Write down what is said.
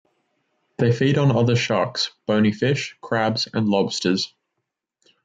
They feed on other sharks, bony fish, crabs, and lobsters.